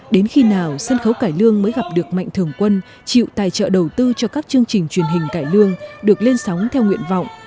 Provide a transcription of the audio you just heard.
đến khi nào sân khấu cải lương mới gặp được mạnh thường quân chịu tài trợ đầu tư cho các chương trình truyền hình cải lương được lên sóng theo nguyện vọng